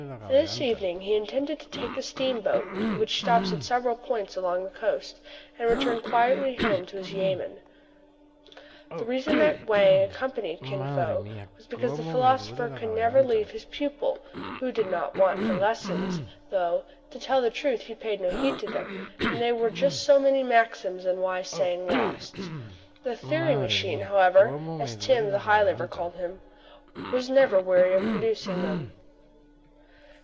This evening he intended to take the steamboat which stops at several points along the coast, and return quietly home to his yamen. The reason that Wang accompanied Kin Fo was because the philosopher could never leave his pupil, who did not want for lessons ; though, to tell the truth, he paid no heed to them, and they were just so many maxims and wise sayings lost. The " theory machine,*' however, as Tim the high liver called him, was never weary of producing them.